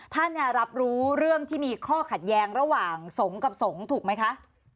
ท่านรับรู้เรื่องที่มีข้อขัดแย้งระหว่างสงฆ์กับสงฆ์ถูกไหมคะ